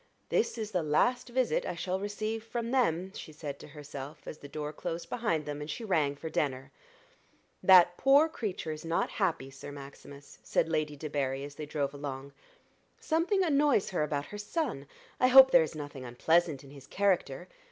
"This is the last visit I shall receive from them," she said to herself as the door closed behind them, and she rang for Denner. "That poor creature is not happy, Sir Maximus," said Lady Debarry as they drove along. "Something annoys her about her son. I hope there is nothing unpleasant in his character.